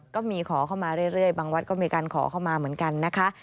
ก็มีขอเข้ามาเรื่อยบางวัดก็มีการขอเข้ามาเหมือนกันนะคะ